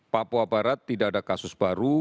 papua barat tidak ada kasus baru